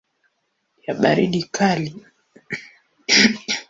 ya baridi kali.